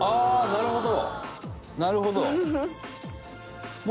なるほど。